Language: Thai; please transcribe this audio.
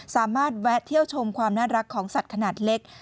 แวะเที่ยวชมความน่ารักของสัตว์ขนาดเล็ก